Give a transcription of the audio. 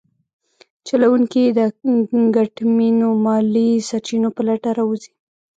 چلونکي یې د ګټمنو مالي سرچینو په لټه راوځي.